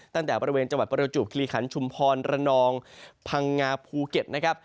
ตั้งแต่บริเวณจังหวัดประจวบคิริขันชุมพรระนองพังงาภูเก็ตนะครับ